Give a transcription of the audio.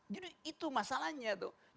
jadi itu masalahnya tuh